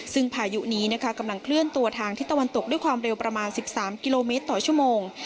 ซึ่งพายุนี้นะคะกำลังเคลื่อนตัวทางทิศตะวันตกด้วยความเร็วประมาณ๑๓กิโลเมตรต่อชั่วโมง